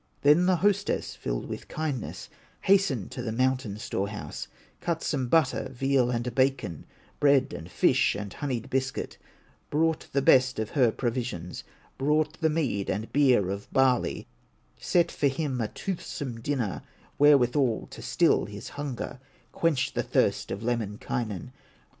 Then the hostess, filled with kindness, Hastened to the mountain storehouse, Cut some butter, veal, and bacon, Bread, and fish, and honeyed biscuit, Brought the best of her provisions, Brought the mead and beer of barley, Set for him a toothsome dinner, Wherewithal to still his hunger, Quench the thirst of Lemminkainen.